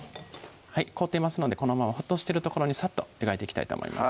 凍っていますのでこのまま沸騰してるところにさっと湯がいていきたいと思います